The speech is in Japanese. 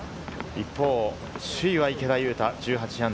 一方、首位は池田勇太、−１８。